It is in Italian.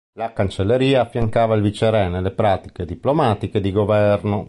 La cancelleria affiancava il viceré nelle pratiche diplomatiche e di governo.